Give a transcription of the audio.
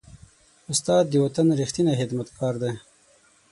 استاد د وطن ریښتینی خدمتګار دی.